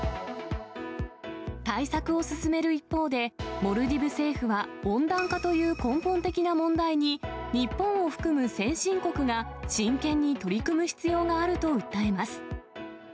対策を進める一方で、モルディブ政府は温暖化という根本的な問題に、日本を含む先進国が真剣に取り組む必要があると訴えます。